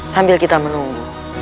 sambil kita menunggu